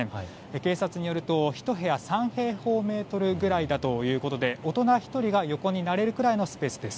警察によると１部屋３平方メートルぐらいだということで、大人１人が横になれるくらいのスペースです。